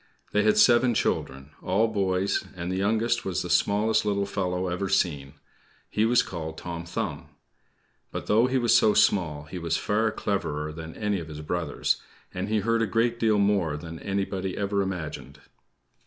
They had seven children all boys; and the youngest was the smallest little fellow ever seen. He was called Tom Thumb. But though he was so small, he was far cleverer than any of his brothers, and he heard a great deal more than anybody ever imagined.